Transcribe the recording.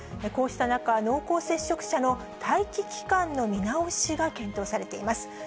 こうした中、濃厚接触者の待機期間の見直しが検討されています。